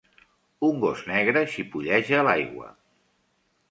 Un gos negre xipolleja a l'aigua.